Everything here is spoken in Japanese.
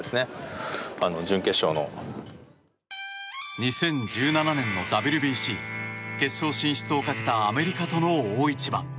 ２０１７年のＷＢＣ決勝進出をかけたアメリカとの大一番。